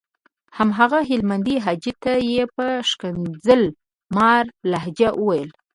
هماغه هلمندي حاجي ته یې په ښکنځل ماره لهجه وويل.